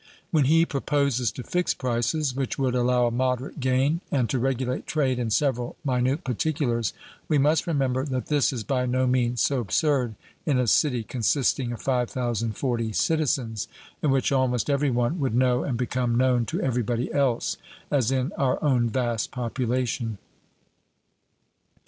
When he proposes to fix prices 'which would allow a moderate gain,' and to regulate trade in several minute particulars, we must remember that this is by no means so absurd in a city consisting of 5040 citizens, in which almost every one would know and become known to everybody else, as in our own vast population.